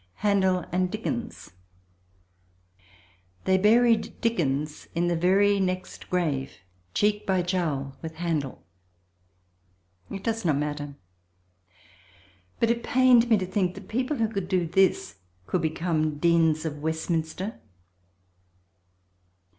Handel and Dickens They buried Dickens in the very next grave, cheek by jowl with Handel. It does not matter, but it pained me to think that people who could do this could become Deans of Westminster.